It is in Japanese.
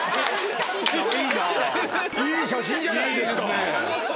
いい写真じゃないですか。